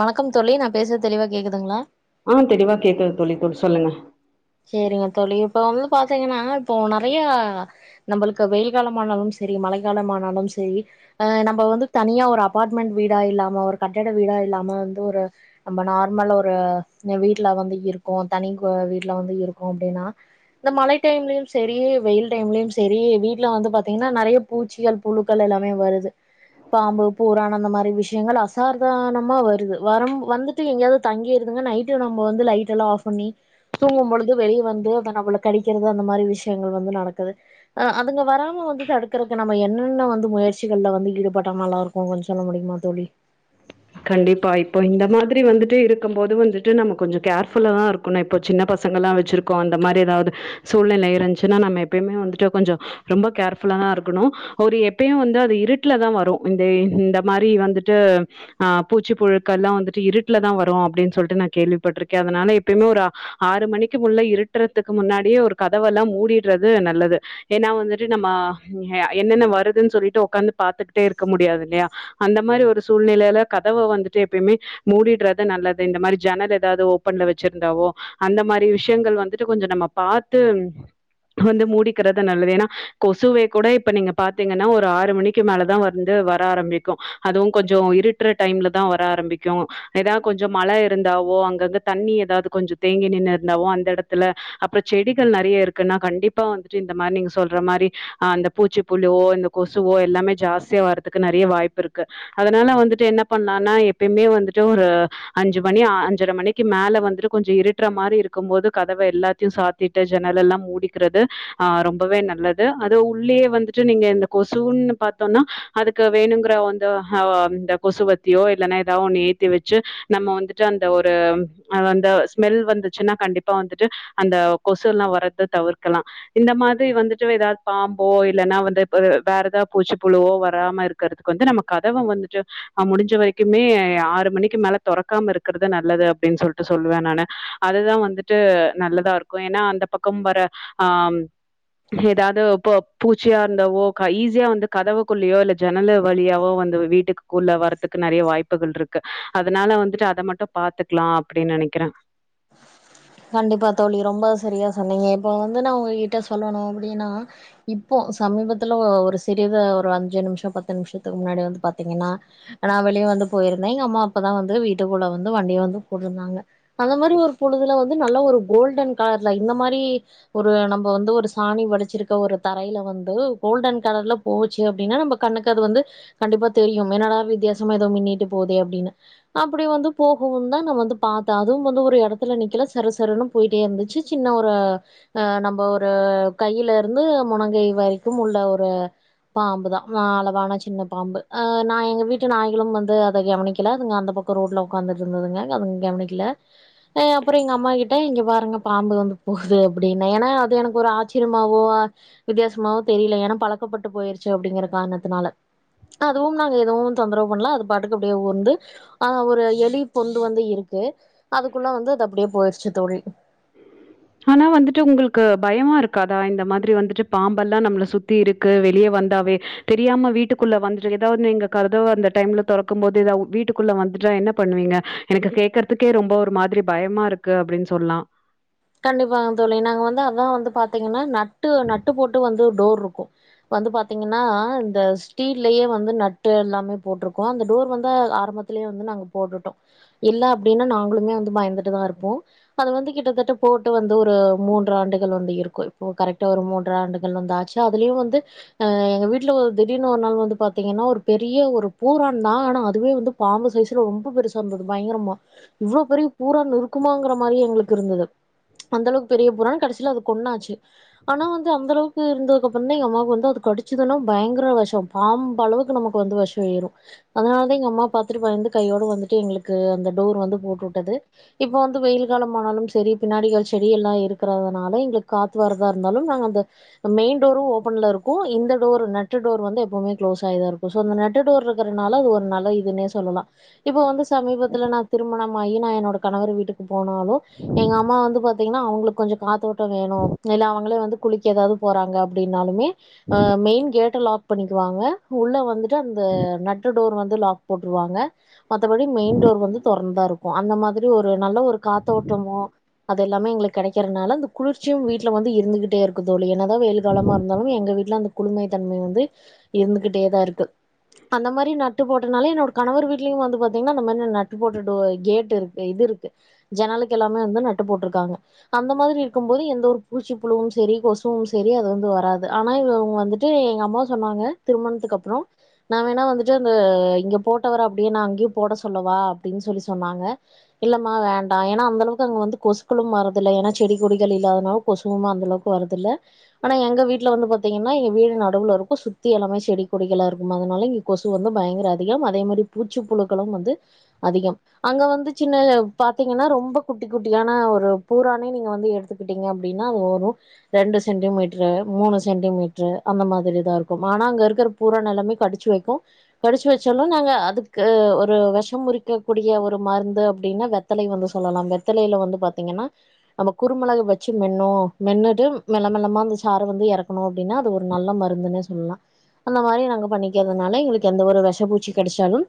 வணக்கம் தோழி நா பேசுறது தெளிவா கேக்குதுங்களா ஆஹ தெளிவா கேக்குது தோழி சொல்லுங்க சேரிங்க தோழி இப்ப வந்து பாத்தீங்கன்னா இப்போ நெறைய நம்புளுக்கு வெயில் காலமானாலு செரி மழைக்காலமானாலு சேரி ஆஹ நம்ப வந்து தனியா ஒரு அபார்ட்மெண்டட் வீடா இல்லாம ஒரு கட்டிட வீடா இல்லாம வந்து ஒரு நம்ப நார்மலா ஒரு வீட்டுல வந்து இருக்கு தனி வீ இருட்ட வந்து இருக்கு அப்படின்னா இந்த மலை டைம்லயும் செரி வெயில் டைம்லு செரி வீட்டுல வந்து பாத்தீங்கன்னா நெறைய பூச்சிகள் புழுக்கள் எல்லாமே வருது பாம்பு பூரான் அந்த மாதிரி விஷயங்கள் அசாதாரணமா வருது வரும் வந்துட்டு எங்கயாவது தங்கிருதுங்க நைட் நம்ப வந்து லைட் எல்லா ஆப் பண்ணி தூங்கும் பொழுது வெளியே வந்து அதை நம்பள கடிக்கிறது அந்த மாதிரி விஷயங்கள் வந்து நடக்குது அஹ அதுங்க வராம வந்து தடுக்கறக்கு நம்ப என்னென்ன வந்து முயற்சிகள்ல வந்து ஈடுபட்டா நல்லா இருக்கு கொஞ்ச சொல்ல முடியுமா தோழி கண்டிப்பா இப்போ இந்த மாதிரி வந்துட்டு இருக்கு போது வந்துட்டு நம்ம கொஞ்ச கேர்ஃபுல்லாதா இருக்கணு இப்போ சின்ன பசங்கள் எல்லா வச்சிருக்கோ அந்த மாரி ஏதாவது சூழ்நிலை இருந்துச்சுன்னா நம்ம எப்பயுமே வந்துட்டு கொஞ்ச ரொம்ப கேர்ஃபுல்லாதா இருக்கணு ஒரு எப்பயு வந்து அது இருட்டுலதான் வரு இந்த இந்த மாரி வந்துட்டு ஆஹ பூச்சிப்புழுக்க எல்லா வந்துட்டு இருட்டுல தான் வரு அப்புடின்னு சொல்லிட்டு நான் கேள்விப்பட்டிருக்கே அதனால எப்பயுமே ஒரு ஆறு மணிக்கு முன்ன இருட்டுறதுக்கு முன்னாடியே ஒரு கதவையெல்லா மூடிடுறது நல்லது ஏன்னா வந்துட்டு நம்ப என்னென்ன வருதுன்னு சொல்லிட்டு உட்காந்து பாத்துக்கிட்டே இருக்க முடியாது இல்லையா அந்த மாரி ஒரு சூழ்நிலையில கதவ வந்துட்டு எப்பயுமே மூடிடுறது நல்லது இந்த மாரி ஜனல் ஏதாவது ஓபன்ல வச்சிருந்தாவோ அந்த மாரி விஷயங்கள் வந்துட்டு கொஞ்ச நம்ப பாத்து வந்து மூடிக்கிறது நல்லது ஏன்னா கொசுவை கூட இப்ப நீங்க பாத்தீங்கன்னா ஒரு ஆறு மணிக்கு மேலதான் வந்து வர ஆரம்பிக்கு அதுவு கொஞ்ச இருட் ரைடைம்ல தா வர ஆரம்பிக்கு ஏதாவது கொஞ்ச மழ இருந்தாவோ அங்கங்க தண்ணி ஏதாவது கொஞ்ச தேங்கி நின்று இருந்தாவோ அந்த இடத்துல அப்புறம் செடிகள் நெறைய இருக்குன்னா கண்டிப்பா வந்துட்டு இந்த மாரி நீங்க சொல்ற மாரிஹ அந்த பூச்சிப்புழுவோ இந்த கொசுவோ எல்லாமே ஜாஸ்தியா வர்றதுக்கு நெறைய வாய்ப்பு இருக்கு அதனால வந்து என்ன பண்ணலா எப்பயுமே வந்துட்டு ஒரு அஞ்சு மணி அஞ்சரை மணிக்கு மேல வந்துட்டு கொஞ்ச இருட்டுற மாதிரி இருக்கும்போது கதவ எல்லாத்தையு சாத்திட்டு ஜன்னல எல்லா மூடிக்கிறது ஆஹ ரொம்பவே நல்லது அதோ உள்ளேயே வந்துட்டு நீங்க இந்த கொசுன்னு பாத்தோம்னா அதுக்கு வேணுங்கற வந்துஹ அந்த கொசுவத்தியோ இல்லைன்னா ஏதாவ ஒ ந ஏத்தி வச்சு நம்ம வந்துட்டு அந்த ஒருஹ அந்த ஸ்மெல் வந்துச்சுன்னா கண்டிப்பா வந்துட்டு அந்த கொசு எல்லா வறத தவிர்க்கலா இந்த மாதிரி வந்துட்டு ஏதாவது பாம்போ இல்லைன்னா வந்து வேற ஏதாவ பூச்சிப்புழுவோ வராம இருக்கிறதுக்கு வந்து நம்ம கதவை வந்துட்டு முடிஞ்ச வரைக்குமே ஆறு மணிக்கு மேல தொறக்காம இருக்கறது நல்லது அப்பிடின்னு சொல்லிட்டு சொல்லுவேன் நானு அதுதா வந்துட்டு நல்லதா இருக்கு ஏன்னா அந்த பக்கம் வர ஆஹ ஏதாவது பூச்சியா இருந்தாவோ ஈஸியா வந்து கதவுக்குல்லயோ இல்ல ஜனல வழியாவோ வந்து வீட்டுக்கு உள்ள வரறதுக்கு நெறைய வாய்ப்புகள் இருக்கு அதனால வந்துட்டு அத மட்டு பாத்துக்கலா அப்பிடின்னு நெனைக்கிறேன் கண்டிப்பா தோழி ரொம்ப சரியா சொன்னீங்க இப்ப வந்து நா உங்ககிட்ட சொல்லணு அப்டின்னா இப்போ சமீபத்துல ஒரு சிறிது ஒரு அஞ்சு நிமிஷ பத்து நிமிஷத்துக்கு முன்னாடி வந்து பாத்தீங்கன்னா நா வெளியே வந்து போயிருந்தே எங்க அம்மா அப்பதா வந்து வீட்டுக்குள்ள வந்து வண்டியை வந்து கூட்டிருந்தாங்க அத அந்த மாரிஒரு பொழுதுல வந்து நல்ல ஒரு கோல்டன் கலர்ல இந்த மாரி ஒரு நம்ம வந்து ஒரு சாணி வடிச்சிருக்க ஒரு தரையில வந்து கோல்டன் கலர்ல போச்சு அப்பிடின்னா நம்ம கண்ணுக்கு அது வந்து கண்டிப்பா தெரியு என்னடா வித்தியாசமா ஏதோ மின்ன்னிட்டு போதே அப்பிடின்னனு அப்பிடி வந்து போகவும் தா ந வந்து பாத்தே அதுவு வந்து ம்ம் இடத்துல நல சரசரன்னு போயிட்டே இருந்துச்சு சின்ன ஒரு அஹ நம்ம ஒரு கையில இருந்து முனங்கை வரைக்கு உள்ள ஒரு பாம்புதான் அளவான சின்ன பாம்பு அஹ நா எங்க வீட்டு நாய்களும் வந்து அத கவனிக்கல அதுங்க அந்த பக்க ரோட்ல உக்காந்துட்டு இருந்ததுங்க அது கவனிக்கல அப்புற எங்க அம்மா கிட்ட இங்க பாருங்க பாம்பு வந்து போகுது அப்புடின்னா ஏன்னா அது எனக்கு ஒரு ஆச்சரியமாவோ வித்தியாசமாவோ தெரியில ஏன்னா பழக்கப்பட்டு போயிருச்சு அப்பிடிங்கற காரணத்தினால அதுவு நாங்க எதுவு தொந்தரவு பண்ணல அது பாட்டுக்கு அப்புடியே உர்ந்துஹ ஒரு எலி பொந்து வந்து இருக்கு அது அதுக்குள்ளா வந்து அது அப்புடியே போயிருடுச்சு தோழி ஆனா வந்துட்டு உங்களுக்கு பயமா இருக்காதா இந்த மாதிரி வந்துட்டு பாம்பெல்லா நம்பள சுத்தி இருக்கு வெளியே வந்தாவே தெரியாம வீட்டுக்குள்ள வந்துட்டு ஏதாவது நீங்க கதவ அந்த டைம்ல தெறக்கு போது ஏதாவது வீட்டுக்குள்ள வந்துட்டா என்ன பண்ணுவீங்க எனக்கு கேக்குறதுக்கே ரொம்ப ஒரு மாரி பயமா இருக்கு அப்புடின்னு சொல்லா கண்டிப்பாங்க தோழி நாங்க வந்து அதா வந்து பாத்தீங்கன்னா நட் ட்டு நட்டு போட்டு வந்து டோர் இருக்கோ இப்ப வந்து பாத்தீங்கன்னா இந்த ஸ்டீல்லே வந்து நட்டு எல்லாமே போட்ருக்கோ அந்த டோர் வந்து ஆரம்பத்திலயே வந்து நாங்க போட்டுட்டோ இல்ல அப்படின்னா நாங்களுமே வந்து பயந்துட்டுதா இருப்போ அது வந்து கிட்டத்தட்ட போட்டு வந்து ஒரு மூன்று ஆண்டுகள் வந்து இருக்கு இப்போ கரெக்டா ஒரு மூன்று ஆண்டுகள் வந்து ஆச்சு அதுலயு வந்து எங்க வீட்டுல திடீர்னு ஒரு நாள் வந்து பாத்தீங்கன்னா ஒரு பெரிய ஒரு பூரா தா ஆனா அதுவே வந்து பாம்பு சைஸ்ல ரொம்ப பெருசா இருந்தது பயங்கரமா இவ்ளோ பெரிய பூரான் இருக்குமாங்கிற மாரி எங்களுக்கு இருந்தது இல்ல அத கொன்னாச்சு ஆனா வந்து அந்த அளவுக்கு இருந்ததுக்கு அப்றம் தா எங்க அம்மாக்கு அது கடிச்சதுனா பயங்கர வெஷோ பாம்பு அளவுக்கு நமக்கு வெஷோ ஏறு அதனால தா எங்க அம்மா பாத்துட்டு பயந்து கையோடு வந்துட்டு எங்களுக்கு அந்த டோர் வந்து போட்டு உட்டது இப்ப வந்து வெயில் காலோ ஆனாலு செரி பின்னாடிகள் செடி எல்லா இருக்கிறதுனால எங்களுக்கு காத்து வரதா இருந்தாலு நாங்க அந்த மெயின் டோரும் ஓபன்ல இருக் இருக்கு இந்த டோரு நட்டு டோரு வந்து எப்புமே க்ளோஸ் ஆயிதா இருக்கு சோ அந்த நட்டு டோரு இருக்கறனால அது ஒரு நல்ல இதுன்னே சொல்லலா இப்ப வந்து சமீபத்துல நா திருமணமாயி நா என்னோட கணவர் வீட்டுக்கு போனாலு எங்க அம்மா வந்து பாத்தீங்கனா அவங்களுக்கு கொஞ்ஜோ காத்தோட்ட வேணு இல்ல அவங்களே வந்து குளிக்க ஏதாது போறாங்க அப்டின்னாலுமே அ மெயின் கேட் லாக் பண்ணிக்குவாங்க உள்ள வந்துட்டு அந்த நட்டு டோரு வந்து லாக் போட்டுருவாங்க மத்தபடி மெயின் டோர் வந்து தொறந் தா இருக்கு அந்த மாதிரி ஒரு நல்ல ஒரு காத்தோட்டமு அது எல்லாமே எங்களுக்கு கிடைக்கறதுனால அந்த குளிர்ச்சியு வீட்ல வந்து இருந்துகிட்டே இருக்கு தோலி என்னதா வெயில் காலமா இருந்தாலு எங்க வீட்ல அந்த குளுமை தன்மை வந்து இருந்துகிட்டே தா இருக்கு அந்த மாரி நட்டு போட்டனாலே என்னோட கணவர் வீட்லயு வந்து பாத்தீங்கன்னா அந்த மாரி நட்டு போட்ட கேட் இருக்கு இது இருக்கு ஜன்னலக்கு எல்லாமே வந்து நட்டு போட்ருக்காங்க அந்த மாதிரி இருக்கும்போது எந்த ஒரு பூச்சி புளுவும் செரி கொசும் செரி அது வந்து வராது ஆனா இவங்க வந்துட்டு எங்க அம்மா சொன்னாங்க திருமணத்துக்கு அப்றோ நா வேணா வந்துட்டு அந்த இங்க போட்டவர அப்படியே நா அங்க போட சொல்லவா அப்டின்னு சொல்லி சொன்னாங்க இல்லம்மா வேண்டா ஏனா அந்த அளவுக்கு அங்க வந்து கொசுக்களும் வரதில்ல ஏன்னா செடி கொடிகள் இல்லாதனால கொசுமா அந்தளவுக்கு வரதில்ல ஆனா எங்க வீடுல வந்து பா பாத்திங்கனா எங்க வீடு நடுவுல இருக்கு சுத்தி எல்லாமே செடி கொடிகளா இருக்கு அதனால இங்க கொசு வந்து பயங்கர அதிகம் அதே மாரி பூச்சிப்புலுக்களும் வந்து அதிகம் அங்க வந்து சின்ன பாத்தீங்கன்னா ரொம்ப குட்டி குட்டி [unintelligible] ஒரு பூரானே நீங்க வந்து எடுத்துக்கிட்டீங்க அப்படின்னா அது வரும் ரெண்டு சென்டிமீட்ரு மூணு சென்டிமீட்ரு அந்த மாதிரி தா இருக்கு ஆனா அங்க இருக்கிற பூரான் எல்லாமே கடிச்சு வெக்கு கடிச்சு வெச்சாலு நாங்க அதுக்கு ஒரு வெஷம் முறிக்கக் கூடிய ஒரு மருந்து அப்படின்னா வெத்தலை வந்து சொல்லலா வெத் வெத்தலையில வந்து பாத்தீங்கன்னா நம்ம குருமிளக வெச்சி மென்னோ மென்னுட்டு மெல்ல மெல்லமா அந்த சாறு வந்து எறக்கணு அப்படின்னா அது ஒரு நல்ல மருந்துன்னே சொல்லலா அந்த மாரி நாங்க பண்ணிக்கிறதுனால எங்களுக்கு எந்த ஒரு வெஷ பூச்சி கடிச்சாலு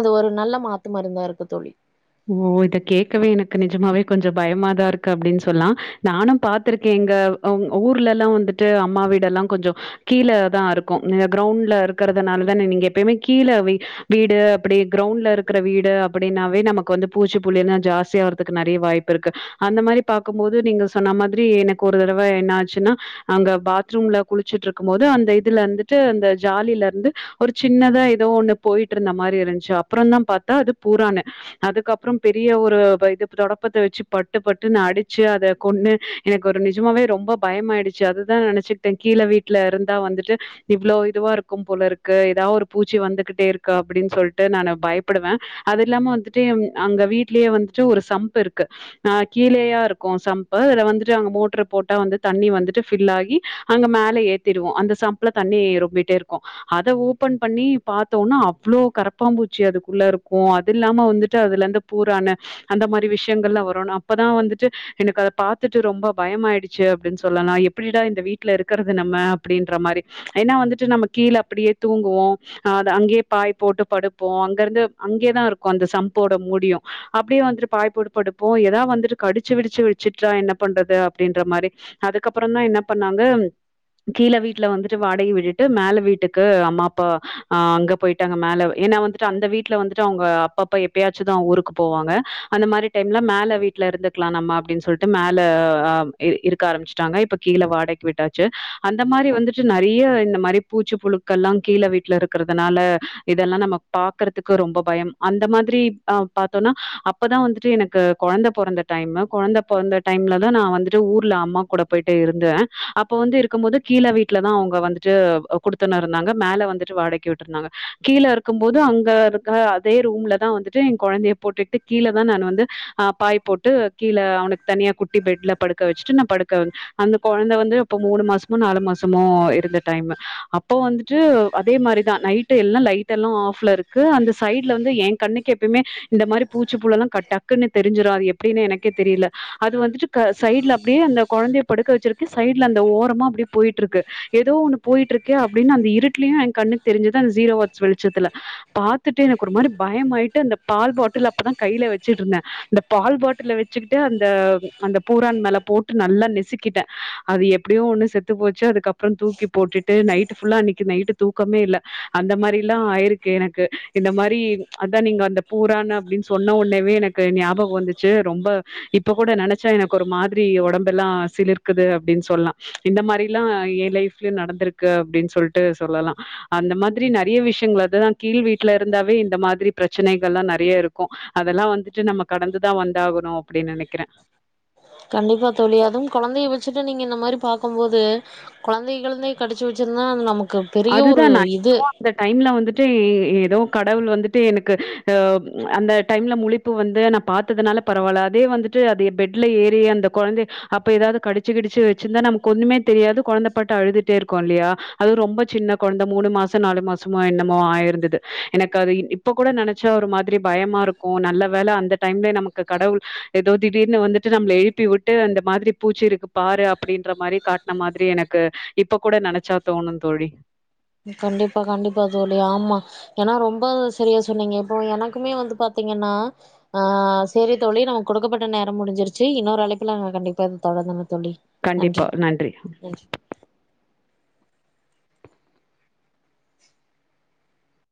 அது ஒரு நல்ல மாத்து மருந்தா இருக்கு தோலி ஓ இத கேக்கவே எனக்கு நிஜமாவே கொஞ்ஜோ பயமாதா இருக்கு அப்படின்னு சொல்லலா நானும பாத்துருக்கேன் எங்க ஊர்ல எல்லா வந்துட்டு அம்மா வீடு எல்லா கொஞ்ஜோ கீழே தா இருக்கு கிரௌண்ட்ல இருக்கிறதுனால தானே நீங்க எப்புமே கீழ வீடு அப்படி கிரௌண்ட்ல இருக்கிற வீடு அப்படின்னாவே நமக் வந்து பூச்சி புள்ளில்லா ஜாஸ்தி ஆறதுக்கு நெறைய வாய்ப்பு இருக்கு அந்த மாரி பாக்கும்போது நீங்க சொன்ன மாதிரி எனக்கு ஒரு தடவை என்ன ஆச்சுன்னா அங்க பாத்ரூம்ல குளிச்சுட்டு இருக்கும் போது அந்த இதுல இருந்துட்டு அந்த ஜாலியில இருந்து ஒரு சின்னதா ஏதோ ஒண்ணு போயிட்டு இருந்த மாரி இருந்துச்சு அப்புறம் தா பார்த்தா அது பூரான்னு அதுக்கப்புறோ பெரிய ஒரு இது தொடப்பத்த வச்சு பட்டு பட்டுனு அடிச்சு அதை கொன்னு எனக்கு ஒரு நிஜமாவே ரொம்ப பயமாயிடுச்சு அது தா நெனைச்சுகிட்ட கீல வீட்டுல இருந்தா வந்துட்டு இவ்ளோ இதுவா இருக்கும் போலருக்கு ஏதாவது ஒரு பூச்சி வந்துகிட்டே இருக்கு அப்படின்னு சொல்லிட்டு நான் பயப்படுவேன் அது இல்லாம வந்துட் அங்க வீட்லயே வந்துட்டு ஒரு சம்ப் இருக்கு ஆ கீலயா இருக்கு சம்ப் இதுல வந்துட்டு அங்க மோட்ரு போட்டா வந்து தண்ணி வந்துட்டு பில் ஆகி அங்க மேல ஏத்திடுவோ அந்த சம்ப்ல தண்ணி ரொம்பிட்டே இருக்கு அத ஓபன் பண்ணி பாத்தோனா அவ்ளோ கரப்பாம்பூச்சி அதுக்குள்ள இருக்கு அது இல்லாம வந்துட் அதுல இருந்து பூரான அந்த மாரி விஷயங்கள் எல்லா வரு அப்பதா வந்துட்டு எனக்கு அதை பாத்துட்டு ரொம்ப பயமாயிடுச்சு அப்படின்னு சொல்லலா எப்டிடா இந்த வீட்டுல இருக்கிறது நம்ம அப்படின்ற மாரி ஏன்னா வந்துட்டு நம்ம கீழே அப்டியே தூங்குவோ அங்கேயே பாய் போட்டு படுப்போ அங்க இருந்து அங்கேதா இருக்கு அந்த சம் போட முடியு அப்டியே வந்துட்டு பாய் போட்டு படுப்போ ஏதா வந்துட்டு கடிச்சு விடிச்சு வெச்சுட்டா என்ன பண்றது அப்டின்ற மாரி அதுக்கப்புறோ தா என்ன பண்ணாங்க கீல வீட்ல வந்துட்டு வாடகை விட்டுட்டு மேல வீட்டுக்கு அம்மா அப்பா ஆ அங்க போயிட்டாங்க மேல ஏன்னா வந்துட்டு அந்த வீட்ல வந்துட்டு அவங்க அப்ப இப்ப எப்பயாச்சு தா ஊருக்கு போவாங்க அந்த மாரி டைம்ல மேல வீட்ல இருந்துக்கலா நம்ம அப்டின்னு சொல்ட்டு மேல ஆ இருக்க ஆரம்பிச்சுட்டாங்க இப்ப கீல வாடக விட்டாச்சு அந்த மாரி வந்துட்டு நெறைய இந்த மாரி பூச்சி புலுக்கள் எல்லா கீல வீட்ல இருக்கிறதுனால இதெல்லா நம்ம பாக்கறதுக்கு ரொம்ப பயம் அந்த மாதி [unintelligible] பாத்தோனா அப்பதா வந்துட்டு எனக்கு கொழந்த பொறந்த டைமு கொழந்த பொறந்த டைம்ல தா நா வந்துட்டு ஊர்ல அம்மா கூட போயிட்டு இருந்த அப்ப வந்து இருக்கும் போது கீல வீட்ல தா அவுங்க வந்துட்டு குடுத்தனோ இருந்தாங்க மேல வந்துட்டு வாடக்கி விட்டு இருந்தாங்க கீல இருக்கும் போது அங்க இருக்க அதே ரூம்ல நா வந்துட்டே எ குழந்தைய போட்டுட்டு கீல தா நான் வந்து ஆ பாய் போட்டு கீல அவனக்கு தனியா குட்டி பெட்ல படுக்க வச்சுட்டு நா படுக்க அந்த கொழந்த வந்து அப்ப மூணு மாசமோ நாலு மாசமோ இருந்த டைமு இப்போ வந்துட்டு அதே மாரி நைட்டு எல்லா லைட்டு எல்லா ஆஃப்ல இருக்கு அந்த சைட்ல வந்து ஏங் கண்ணுக்கு எப்புமே இந்த மாரி பூச்சி புலு எல்லா கட் டக்குன்னு தெரிஞ்சிடு அது எப்படின்னு எனக்கே தெரியல அது வந்துட்டு சைட்ல அப்டியே அந்த கொழந்தய படுக்க வச்சிருக்கு சைட்ல அந்த ஓரமா அப்டியே போயிட்ருக்கு இருக்கு ஏதோ ஒண்ணு போயிட்டு இருக்கே அப்படின்னு அந்த இருட்டலையு எ கண்ணு தெரிஞ்சது அந்த ஜீரோ வாட்ஸ் வெளிச்சத்துல பாத்துட்டு எனக்கு ஒரு மாரி பயமாயிட்டு அந்த பால் பாட்டில் அப்பதா கையில வெச்சிட்டு இருந்தே அந்த பால் பாட்டில் வெச்சுக்கிட்டே அந்த அந்த பூரான் மேல போட்டு நல்லா நெசுக்கிட்டே அது எப்டியோ ஒண்ணு செத்து போச்சு அதுக்கப்புறம் தூக்கி போட்டுட்டு நைட்டு புல்லா அன்னைக்கு நைட்டு தூக்கமே இல்ல அந்த மாரிலா ஆயிருக் எனக்கு இந்த மாரி அதா நீங்க அந்த பூரான் அப்டின்னு சொன்ன ஒன்னவே எனக்கு ஞாபகோ வந்துச்சு ரொம்ப இப்ப கூட நெனச்சா எனக்கு ஒரு மாதிரி உடம்பெல்லா சிலிர்க்குது அப்டின்னு சொல்லா இந்த மாரிலா எ லைஃப்லயு நடந்திருக்கு அப்டின்னு சொல்லிட்டு சொல்லலா அந்த மாரி நெறைய விஷயங்கள் அது தா கீல் வீட்ல இருந்தாவே இந்த மாதி மாரி பிரச்சனைகள் எல்லா நெறைய இருக்கு அதெல்லா வந்துட்டு நம்ம கடந்து தா வந்தாகணு அப்டின்னு நெனைக்கிறே கண்டிப்பா தோலி அதும் கொழந்தைய வச்சுட்டு நீங்க இந்த மாரி பாக்கும் போது கொலந்தைய கிலந்தய கடிச்சி வெச்சிருந்தா ஆ நமக் அது தா நா என்னமோ அந்த டைம்ல வந்து ஏதோ கடவுள் வந்துட்டு எனக்கு ஆ அந்த டைம்ல முலிப்பு வந்து நா பாத்ததுனால பரவால்ல அதே வந்துட்டு அது பெட்ல ஏறி அந்த கொழந்தைய அப்ப ஏதாது கடிச்சு கிடிச்சு வச்சிருந்தா நமக்கு ஒண்ணமே தெரியாது குழந்தை பாட்டு அழுதுட்டே இருக்கு இல்லையா அது ரொம்ப சின்ன குழந்தை மூணு மாசம் நாலு மாசமோ என்னமோ ஆயிருந்தது எனக்கு அது இப்ப கூட நெனைச்சா ஒரு மாதிரி பயமா இருக்கும் நல்ல வேலை அந்த டைம்ல நமக்கு கடவுள் ஏதோ திடீர்னு வந்துட்டு நம்மளை எழுப்பி விட்டு அந்த மாதிரி பூச்சி இருக்கு பாரு அப்படின்ற மாதிரி காட்டின மாதிரி எனக்கு இப்ப கூட நெனைச்சா தோணும் தோழி கண்டிப்பா கண்டிப்பா தோழி ஆமா ஏன்னா ரொம்ப சரியா சொன்னீங்க இப்போ எனக்குமே வந்து பாத்தீங்கன்னா ஆஹ் செரி தோழி நமக்கு கொடுக்கப்பட்ட நேரம் முடிஞ்சிருச்சு இன்னொரு அழைப்புலங்க கண்டிப்பா இதை தொட கண்டிப்பா நன்றி